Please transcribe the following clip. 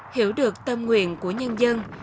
hiểu được tâm nguyện của nhân dân